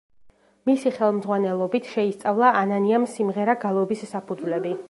მისი ხელმძღვანელობით შეისწავლა ანანიამ სიმღერა-გალობის საფუძვლები.